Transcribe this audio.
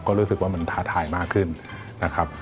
ก็รู้สึกว่ามันท้าทายมากขึ้นนะครับ